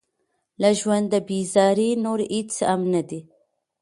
له ژونده بېزاري نور هېڅ هم نه.